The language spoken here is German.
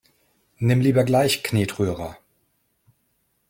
Nimm lieber gleich Knetrührer!